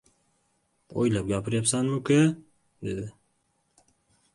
— O‘ylab gapirayapsanmi, uka? —dedi.